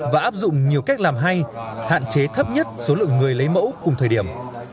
và áp dụng nhiều cách làm hay hạn chế thấp nhất số lượng người lấy mẫu cùng thời điểm